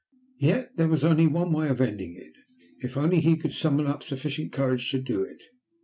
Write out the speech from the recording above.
Yet there was only one way of ending it, if only he could summon up sufficient courage to do it.